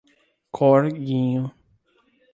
Corguinho